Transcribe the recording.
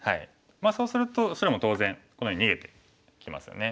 そうすると白も当然このように逃げてきますよね。